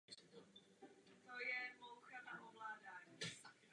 Připomínáte právo na azyl, právo na mezinárodní ochranu.